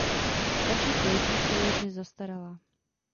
Starší pojetí jsou již dnes zastaralá.